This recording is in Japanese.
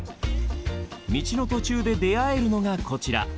道の途中で出会えるのがこちら。